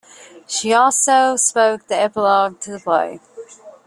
She also spoke the epilogue to the play.